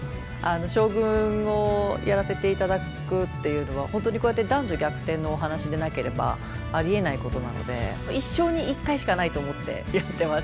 将軍をやらせて頂くっていうのは本当にこうやって男女逆転のお話でなければありえないことなので一生に一回しかないと思ってやってます。